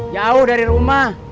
jauh dari rumah